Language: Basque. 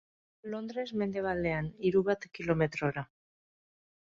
Londres mendebaldean, hiru bat kilometrora.